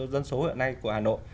dân số hiện nay của hà nội